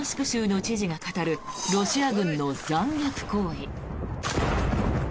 州の知事が語るロシア軍の残虐行為。